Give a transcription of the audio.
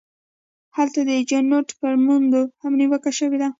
هلته د چینوت پر موندنو هم نیوکه شوې ده.